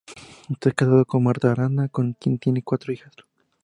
Está casado con Marta Arana, con quien tiene cuatro hijas.